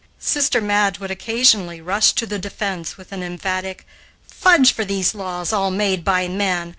Sister Madge would occasionally rush to the defense with an emphatic "Fudge for these laws, all made by men!